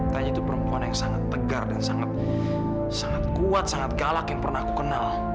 tanya itu perempuan yang sangat tegar dan sangat kuat sangat galak yang pernah aku kenal